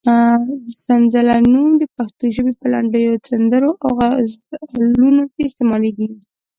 سنځله نوم د پښتو ژبې په لنډیو، سندرو او غزلونو کې استعمالېږي.